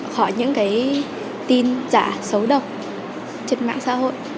khỏi những cái tin giả xấu độc trên mạng xã hội